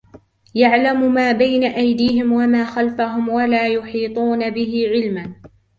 يَعْلَمُ مَا بَيْنَ أَيْدِيهِمْ وَمَا خَلْفَهُمْ وَلَا يُحِيطُونَ بِهِ عِلْمًا